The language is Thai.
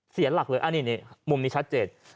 เสียหลักเลยมุมนี้ชัดเจน